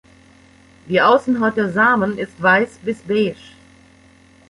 Die Außenhaut der Samen ist weiß bis beige.